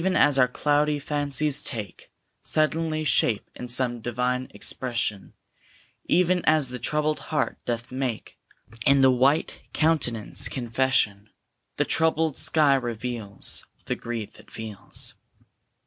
Even as our cloudy fancies take Suddenly shape in some divine expression, Even as the troubled heart doth make In the white countenance confession, The troubled sky reveals The grief it feels.